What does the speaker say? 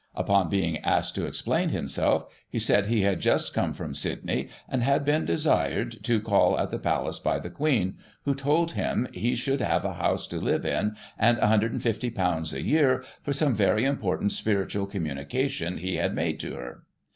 Upon being asked to explain himself, he said he had jxist come from Sydney, and had been desired to call at the Palace by the Queen, who told him he should have a house to live in, and £150 a year, for some very important spiritual communication he had made to her.